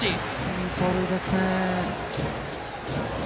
いい走塁ですね。